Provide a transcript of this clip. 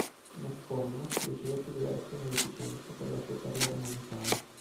McCormack ricevette diverse onorificenza per la sua carriera musicale.